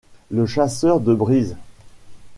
Le chasseur de brise.